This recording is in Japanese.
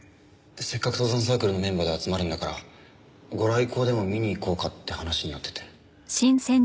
せっかく登山サークルのメンバーで集まるんだからご来光でも見に行こうかって話になってて。